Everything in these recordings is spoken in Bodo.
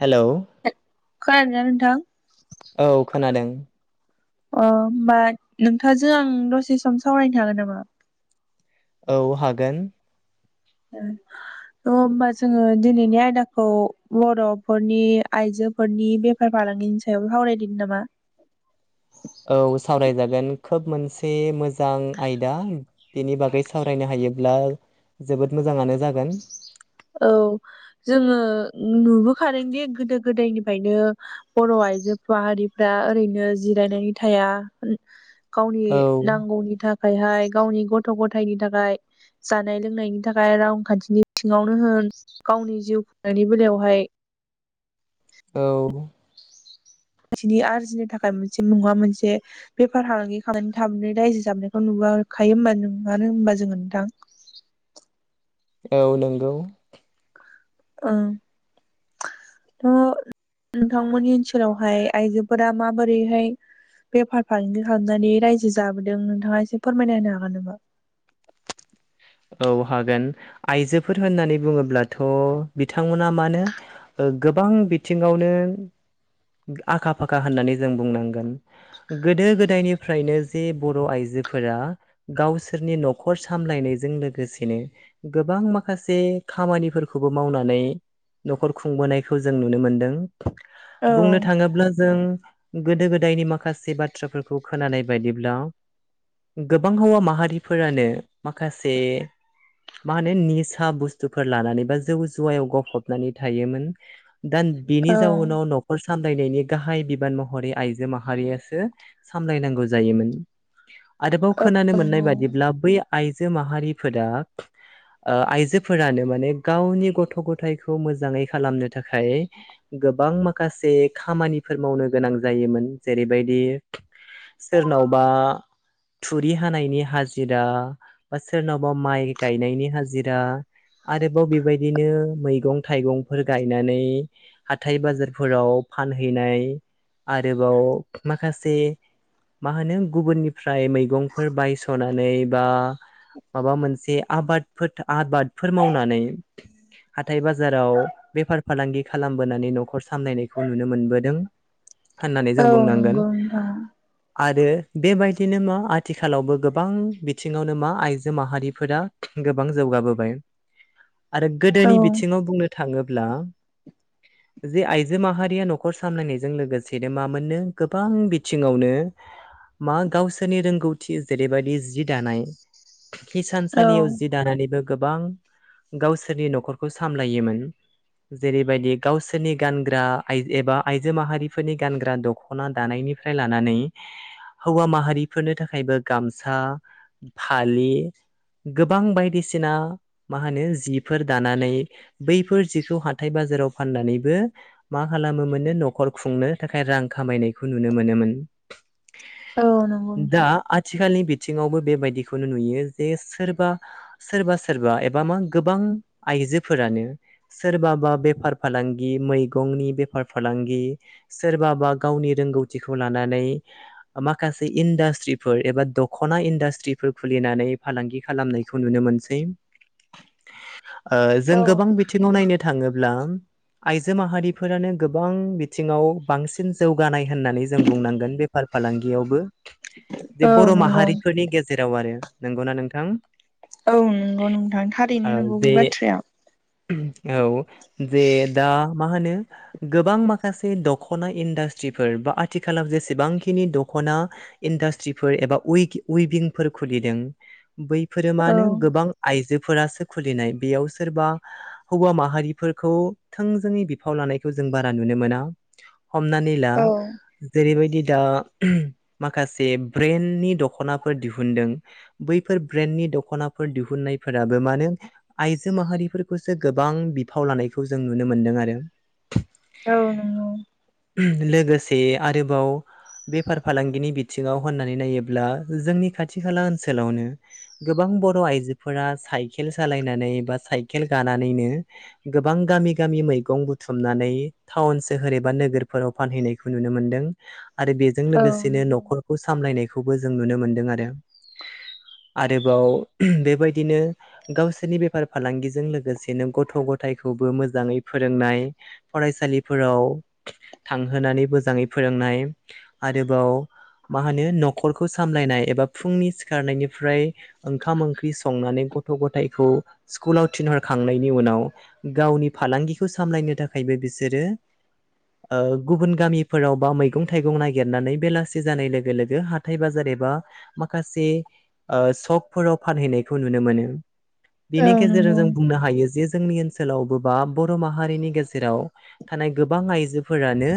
हेलौ खोनादों ना नोंथां? औ खोनादों। अ होमबा नोंथांजों आं दसे सम सावरायनो हागोन नामा? औ हागोन। तो होमबा जोङो दिनैनि आयदाखौ बर'फोरनि आइजो लोगोफोरनि बेफार फालांगिनि सायावबो सावरायदिनि नामा? औ सावरायजागोन खोब मोनसे मोजां आयदा बेनि बागै सावरायनो हायोब्ला दा जोबोद मोजाङनो जागोन। औ जोङो नुबोखादोंदि गोदो गोदायनिफ्रायनो बर'आ आयजो फाहारिफ्रा ओरैनो जिरायनानै थाया। गावनि औ नांगौनि थाख थाखायहाय गावनि गथ' गथायनि थाखाय जानाय लोंनायनि थाखाय रांखान्थिनि सिङावनो होन गावनि जिउ खुंनायनि बेलायावहाय औ। बिसिनि आरजिनि थाखाय मोनसे नुङा मोनसे बेफार फालांगि खालामनानै थाबनानै रायजो जाबनायखौ नुआ खायो होनबा नानो होनबा जोङो नोंथां? औ नंगौ। ओं ओ नोंथांमोननि ओनसोलावहाय आइजोफोरा माबोरैहाय? बेफार फालांगि खालामनानै रायजो जाबोदों नोंथाङा एसे फोरमायना होनो हागोन नामा? [inaudible] औ हागोन आइजोफोर होननानै बुङोब्लाथ' बिथांमोना मानो गोबां बिथिङावनो आखा फाखा होननानै जों बुंनांगोन गोदो गोदायनिफ्रायनो जे बर' आइ जोफोरा गावसोरनि नखर सामलायनायज जों लोगोसेनो गोबां माखासे खामानिफोरखौबो मावनानै न'खर खुंबोनायखौ जों नुनो मोनदों बुंनो औ थाङोब्ला जों गोदो गोदायनि माखासे बाथ्राफोरखौ खोनानाय बायदिब्ला गोबां हौवा माहारिफोरानो माखासे मा होनो निसा बुस्थुफोर लानानै बा जौ जुवायाव गफबनानै थायोमोन दान औ बेनि जाउनाव न'खस सामलायनायनि गाहाय बिबान महरै आइजो माहारियासो सामलायनांगौ जायोमोन। आरोबाव खोनानो मोननाय नंगौ बादिब्ला बै आइ जो माहारिफोरा ओ आइजोफोरानो माने गावनि गथ' गथाय खौ मोजाङै खालामनो थाखाय गोबां माखासे खामानिफोर मावनो गोनां जायोमोन जेरैबायदि सोरनावबा थुरि हानायनि हाजिरा बा सोरनावबा माइ गायनायनि हाजिरा आरोबाव बेबायदिनो मैगं थाइगंफोर गायनानै हाथाइ बाजारफोराव फानहैनाय आरोबाव माखासे मा होनो गुबुननिफ्राय मैगंफोर बायस'नानै बा माबा मोनसे आबादफोद आबादफोर मावनानै हाथाय बाजाराव बेफार फालांगि खालामबोनानै न'खर सामलायनायखौ नुनो मोनबोदों होननानै औ जों बुंनांगोन नंगौ नोंथां आरो बेबायदिनो मा आथिखालावबो गोबां बिथिङावनो मा आइजो माहारिफोरा गोबां जौगाबोबाय आरो औ गोदोनि बिथिङाव बुंनो थाङोब्ला जे आइजो माहारिया न'खर सामलायनायजों लोगोसेनो माोननो गोबां बिथिङावनो [unintelligible] मा गावसोरनि रोंगौथि जेरैबायदि जि दानाय औ किसानसालियाव जि दानानैबो गोबां गावसोरनि न'खरखौ सामलायोमोन जेरैबायदि गावसोरनि गानग्रा एइस-एबा आइजो माहारिफोरनि गानग्रा दख'ना दानाय निफ्राय लानानै हौवा माहारिफोरनि थाखायबो गामसा फालि गोबां बायदिसिना मा होनो जिफोर दानानै बैफोर जिखौ हाथाय बा जाराव फाननानैबो मा खालामोमोननो न'खर खुंनो थाखाय रां खामायनायखौ नुनो मोनोमोन [unintelligible] औ नंगौ नोंथां दा आथिखालनि बिथिङावबो बेबायदि खोनो नुयो जे सोरबा सोरबा सोरबा एबा मा गोबां आइजोफोरानो सोरबाबा बेफार फालांगि मैगंनि बेफार फालांगि सोरबाबा गावनि रोंगौथिखौ लानानै माखसे इण्डास्ट्रिफोर एबा दख'ना इण्डास्ट्रिफोरफो खुलिनानै फालांगि खालामनायखौ नुनो मोनसै ओ जों औ गोबां बिथिङाव नायनो थाङोब्ला आइजो माहारिफोरानो गोबां बिथिङाव बांसिन जौगानाय होननानै जों बुंनांगोन बेफाल फालांगियावबो औ दे बर' नंगौ माहारिफोरनि गेजेराव आरो नंगौना नोंथां। औ नंगौ नोंथां ओ थारैनो नंगौ जे बे बाथ्राया औ जे दा मा होनो गोबां माखासे दख'ना इन्डास्ट्रिफोर बा आथिखालाव जेसेबांखिनि दख' मोना इण्डास्ट्रिफोर एबा उइगि-उइबिन फोर खुलिदों औ बैफोरोमानो गोबां आइजोफ फोरासो खुलिनाय बेयाव सोरबा हौवा माहारिफोरखौ थोंजोङै बिफाव लानायखो जो बारा नुनो मोना हमनानै ला औ जेरैबायदि दा माखासे ब्रेन्नि दख'नाफोर दिहु हुनदों बैफोर ब्रेनि दख'नाफोर दिहुननायफोराबो मानो आइजो माहारिफोरबो बोसे गोबां बिफाव लानायखौ जों नुनो मोन्दों आरो। औ नंगौ। लोगोसे आरोबाव। बेफार फालांगिनि बिथिङाव होननानै नायोब्ला जोंनि खाथि खाला ओनोलावनो गोबां बर' आइजोफोरा साइकेल सालायनानै बा साकेल गा गानानैनो गोबां गामि गामि मैंगं बुथुमनानै थाउन सोहोर एबा नोगोरफोराव फानहैनायखौ नुनो मोन्दों आरो बेजों औ लोगोसेनो नंगौ न'खरखौ सामलायनायखौबो जों नुनो मोनदों आरो। [inaudible] आरोबाव बेबायदिनो गावसोरनि बेफार फालांगिजों लोगोसेनो गथ' ग थायखौबो मोजाङै फोरोंनाय, फरायसालिफोराव थांहोनानै मोजाङै फो रोंनाय। आरोबाव मा होनो न'खरखौ सामलायनाय एबा फुंनि सिखारनायनिफ्राय ओंखाम ओंख्रि संनानै गथ' गथायखौ स्कुलाव थिनहरखां खांनायनि उनाव गावनि फालांगिखौ सामलायनो थाखायबो बिसोरो ओ गुबुन गामिफोराव बा मैगं थाइगं नागेरनानै बेलासि जानाय लोगोलोगो हाथाइ बाजार एबा माखासे ओ सकफोराव फानहैनायखौ नुनो मोनो। औ बेनि गेजेरजों नंगौ जों बुंनो हायो जे जोंनि ओन सोलावबो बा बर' माहारिनि गेजेराव थानाय गोबां आइजोफोरानो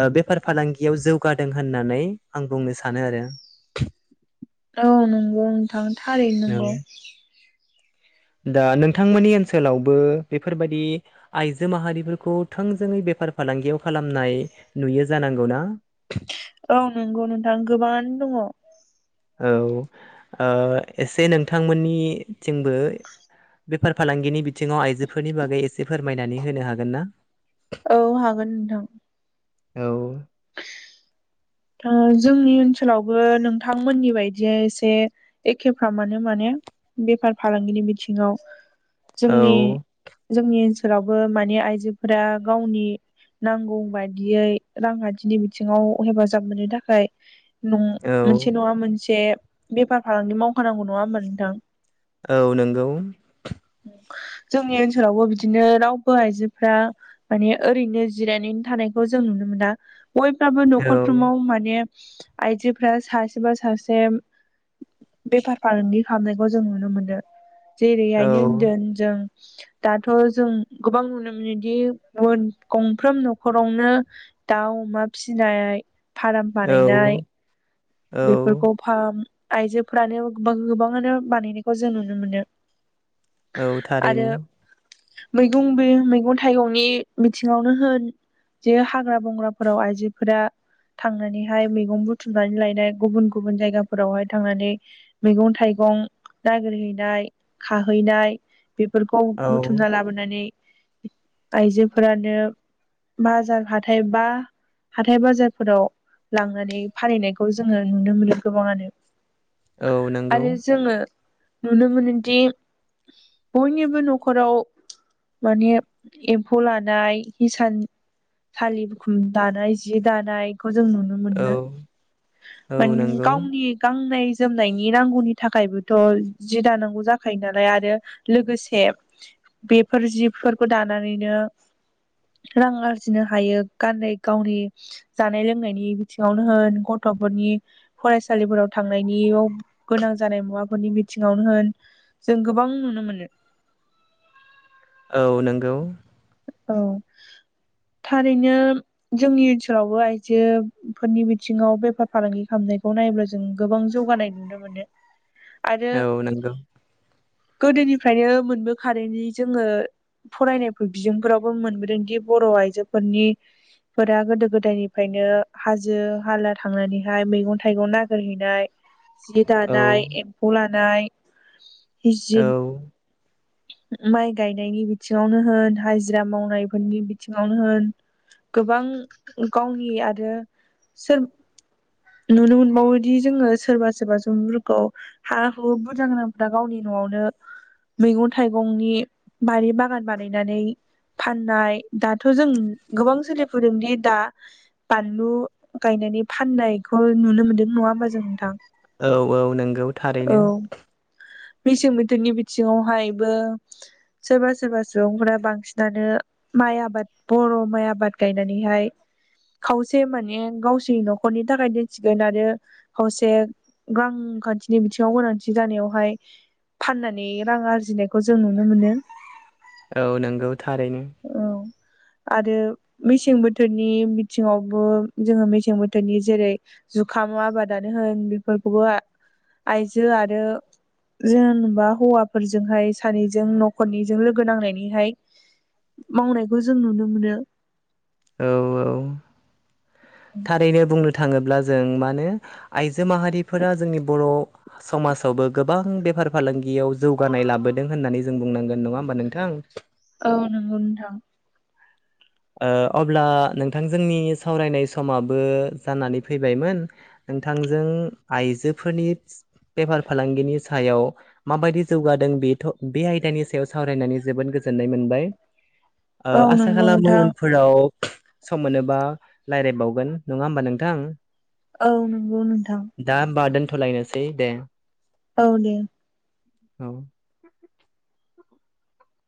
ओ बेफार फालांगियाव जौगादों होननानै आं बुंनो सानो आरो। औ नंगौ नोंथां थारैनो औ नंगौ। दा नोंथांमोननि ओनसोलावबो बेफोरबादि आइजो माहारिफोरखौ थोंजोंङै बेफार फालांगियाव खालामनाय नुयो जाना नांगौ ना? औ नंगौ नोंथां गोबां दङ। औ। ओ एसे नोंथांमोननिथिंबो बेफार फालांगिनि बिथिङाव आइजोफोरनि बागै एसे फोरमायनानै होनो हागोन ना? औ हागोन नोंथां। औ। [inaudible] ओ जोंनि ओनसोलावबो नोंथांमोननि बायदि एसे एखेफ्राम आनो माने बेफार फालांगिनि बिथिङाव औ जोंनि जोंनि ओन फोरावबो माने आइजोफोरा गावनि नांगौ बादियै रांखान्थिनि बिथिङाव हेफाजाब जाब मोननो थाखाय न औ मोनसे नङा मोनसे बेफार फालांगि मावखानांगौ, नङा होनबा नोंथां? औ नोंगौ। जोंनि ओनसोलावबो बिदिनो रावबो आइजोफ्रा माने ओरैनो जिरायनानै थानायखौ जों नुनो मोना। बयफ्राबो औ न'खरफ्रोमाव माने आइजोफ्रा सासेबा सासे बेफार फालांगि खालामनायखौ जों नुनो मोनो। औ जेरैहायनो दोन जों दाथ' जों गोबां नुनो मोनोदि [unintelligible] गंफ्रोम न'खरावनो दाउ, अमा फिनाय। फाराम औ बानायनाय औ बेफोरखौ फाम आयजोफ्रानो गोबां-गोबाङानो बानायनायखौ जों नुनो मोनो। औ आरो थारैनो। मैगं बे मैगं थाइगंनि बिथिङावनो होन। जे हाग्रा बंग्राफोराव आइजोफोरा थांनानैहाय मैगं बुथुमनानै लाय नाय, गुबुन गुबुन जायगाफोरावहाय थांनानै मैगं थाइगं नागिरहैनाय, खाहैनाय बेफोरखौ औ बुथुमना लाबोनानै आइजोफोरानो बाजार हाथाइ बा हाथाइ बाजारफोराव लांनानै फानहैनायखौ खौ जोङो नुनो मोनो गोबांआनो औ नंगौ आरो जोङो नुनो मोनोदि बयनिबो न'खराव माने एम्फौ लानाय, हिसान थालि बुखुम दानाय जि दानाय खौ जों नुनो मोनो औ औ मोन नंगौ गावनि गा होननाय जोमनायनि नांगौनि थाखायबोथ' जि दाानांगौ जाखायो नालाय आरो लोगोसे बेफोर जिफोरखौ दानानैनो रां आरजिनो हायो गाननाय गावनि जानाय लोंनायनि बिथिङावनो होन गन गथ'फोरनि फरायसालिफोराव थांनायनियाव गोनां जानाय मुवाफोरनि बिथिङावनो होन जों गोबां नुनो मोनो। औ नंगौ। औ। थारैनो जोंनि ओनसोलावबो आइजोफोरनि बिथिङाव बेफार फालांगि खालामनाय खौ नायब्ला जों गोबां जौगानाय नुनो मोनो। आरो औ नंगौ गोदोनिफ्रायनो मोनबो खारैनि जोङो फरायनायफोर बिजोंफोरावबो मोनबोदोंदि बर' आइजोफोरनि फोरा गोदो गोदायनिफ्रायनो हाजो हाला थांनानैहाय मैगं थाइगं नागिरहैनाय जि औ दानाय एम्फौ लानाय औ। जि माइ गायनायनि बिथिङावनो होन हाजिरा मावनायफोरनि बिथिङावनो होन गोबां गावनि आरो सोर नुनो मोनबावोदि जोङो सोरबा सोरबा सुंबुं फोरखौ हा हु बुरजा गोनांफोरा गावनि न'आवनो मैगं थाइगंनि बारि बागान बानायनानै फाननाय दाथ' जों गोबां सोलिफुदोंदि दा बानलु गायनानै फाननायखौ नुनो मोन्दों नङा होमबा जों नोंथां औ औ नंगौ औ थारैनो। मेसें बोथोरनि बिथिङाव हायबो सोरबा सोरबा सुबुंफोरा बांसि दानो माइ आबाद बर' माइ आबाद गायनानैहाय खावसे माने गावसिनि न'खरनि थाखाय दोनथिगोन आरो खावसे गां खान्थिनि बिथिङाव गोनांथि जानायावहाय फाननानै रां आरजिनायखौ जों नुनो मोनो। औ नंगौ थारैनो। [unintelligible] आरो मेसें बोथोरनि बिथिङावबो जोङो मेसें बोथोरनि जेरै जुखाम नु आबादानो होन बेफोरखौबो आइजो आरो जेनेबा हौवाफोरजोंहाय सानैजों न'खरनिजों लोगो नांनायनिहाय मावनायखौ जों नुनो मोनो। औ औ थारैनो बुंनो थाङोब्ला जों मानो आइजो माहारिफोरा जोंनि बर' समाजावबो गोबां बे बेफार फालांगियाव जौगानाय लाबोदों होन्नानै जों बुंनांगोन नङा होमबा नोंथां? औ नोंगौ नोंथां। ओ अब्ला नोंथां जोंनि सावरायनाय समाबो जानानै फैबायमोन। नोंथांजों आइजोफोरनि बेफार फालांगिनि सायाव माबायदि जौगादों बेथ' बे आयदानि सायाव सावरायनानै जोबोद गोजोन। गोजोननाय मोनबाय औ आसा ओ नंगौ खालामो नोंथां उनफोराव सम मोनोबा रायलायबावगोन नङा होमबा नोंथां। औ नंगौ नोंथां थलायनोसै दे। औ दे औ